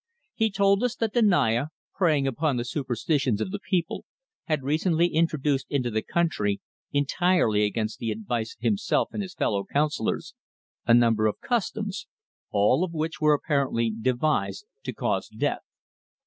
He told us that the Naya, preying upon the superstitions of the people, had recently introduced into the country, entirely against the advice of himself and his fellow councillors, a number of customs, all of which were apparently devised to cause death.